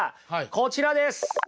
こちらです！